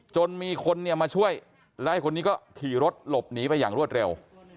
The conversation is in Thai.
จนมีคนเนี่ยมาช่วยแล้วไอ้คนนี้ก็ขี่รถหลบหนีไปอย่างรวดเร็ว